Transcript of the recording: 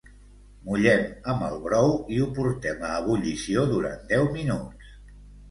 Mullem amb el brou i ho portem a ebullició durant deu minuts.